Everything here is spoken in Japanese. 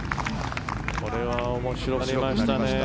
これは面白くなりましたね。